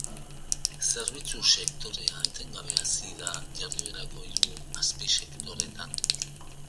Zerbitzu sektorea etengabe hazi da jarduerako hiru azpisektoreetan.